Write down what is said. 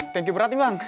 thank you berat nih bang